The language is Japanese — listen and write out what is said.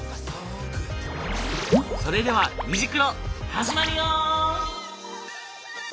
それでは「虹クロ」始まるよ！